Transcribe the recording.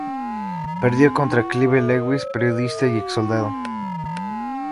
Perdió contra Clive Lewis, periodista y ex soldado.